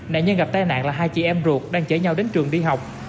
nạn nhân gặp tai nạn là hai chị em ruột đang chở nhau đến trường đi học